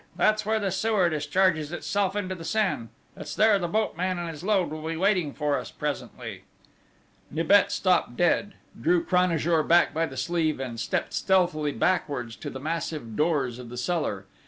That's where the sewer discharges itself into the Seine: it's there the boatman and his load will be waiting for us presently." Nibet stopped dead; drew Cranajour back by the sleeve, and stepped stealthily backwards to the massive doors of the cellar.